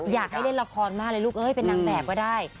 อยากให้เล่นละครมากเลยลูกเอ้ยเป็นนางแบบก็ได้